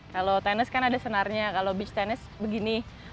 kalau tenis kan ada senarnya kalau beach tenis begini